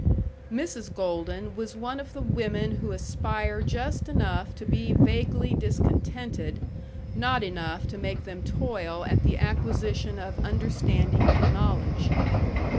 Mrs. Golden was one of the women who aspire just enough to be vaguely discontented; not enough to make them toil at the acquisition of understanding and knowledge.